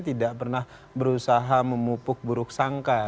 tidak pernah berusaha memupuk buruk sangka